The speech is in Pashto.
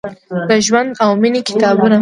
د ژوند او میینې کتابونه ،